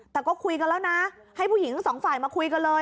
แต่ก็คุยกันแล้วนะให้ผู้หญิงทั้งสองฝ่ายมาคุยกันเลย